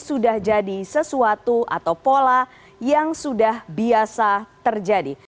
sudah jadi sesuatu atau pola yang sudah biasa terjadi